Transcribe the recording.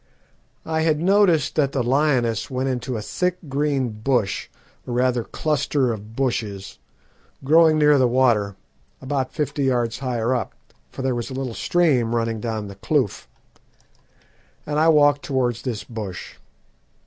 "I had noticed that the lioness went into a thick green bush, or rather cluster of bushes, growing near the water, about fifty yards higher up, for there was a little stream running down the kloof, and I walked towards this bush.